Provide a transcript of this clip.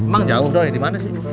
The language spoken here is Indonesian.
emang jauh doi di mana sih